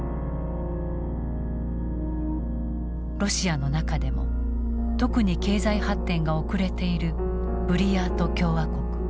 ロシアの中でも特に経済発展が遅れているブリヤート共和国。